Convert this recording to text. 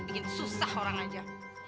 bikin susah orang aja